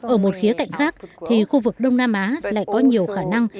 ở một khía cạnh khác thì khu vực đông nam á lại có nhiều khả năng